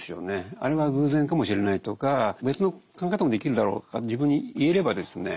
あれは偶然かもしれないとか別の考え方もできるだろうとか自分に言えればですね